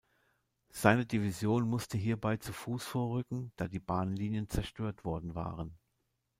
Seine Division musste hierbei zu Fuß vorrücken, da die Bahnlinien zerstört worden waren.